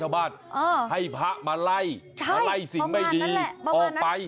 ให้พระมาไล่ใช่ประมาณนั้นแหละมาไล่สิ่งไม่ดีเอาไป